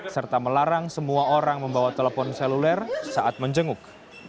serta melarang semua orang membawa telepon seluler saat menjenguk